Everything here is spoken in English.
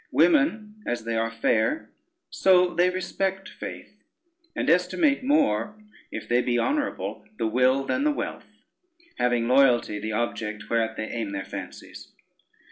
Women, as they are fair, so they respect faith, and estimate more, if they be honorable, the will than the wealth, having loyalty the object whereat they aim their fancies.